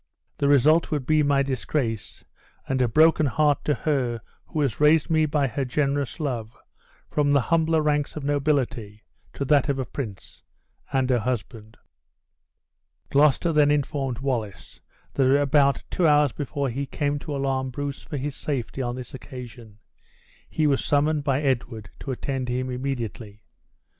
The result would be my disgrace, and a broken heart to her who has raised me by her generous love from the humbler ranks of nobility to that of a prince, and her husband." Gloucester then informed Wallace that about two hours before he came to alarm Bruce for his safety on this occasion, he was summoned by Edward to attend him immediately.